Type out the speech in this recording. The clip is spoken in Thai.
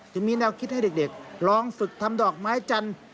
จะมีแนวคิดให้เด็กลองฝึกทำดอกไม้จันทร์